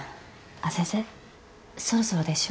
あっ先生そろそろでしょ？